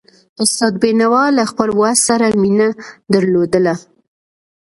استاد بينوا له خپل ولس سره مینه درلودله.